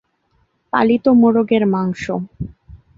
পালিত মোরগের মাংস।